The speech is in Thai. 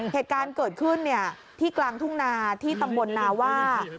เหตุการณ์เกิดขึ้นที่กลางทุ่งนาที่ตำบลนาว่า